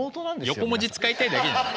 横文字使いたいだけじゃない？